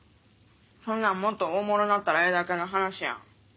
そんなんもっとおもろなったらええだけの話やん。